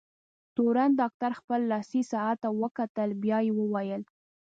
تورن ډاکټر خپل لاسي ساعت ته وکتل، بیا یې وویل: